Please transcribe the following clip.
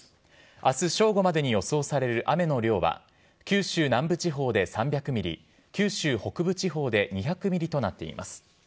あす正午までに予想される雨の量は、九州南部地方で３００ミリ、九州北部地方で２００ミリとなっています。